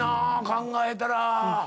考えたら。